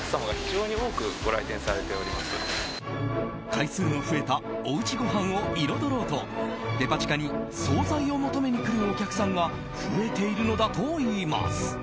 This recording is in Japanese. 回数の増えたおうちごはんを彩ろうとデパ地下に総菜を求めに来るお客さんが増えているのだといいます。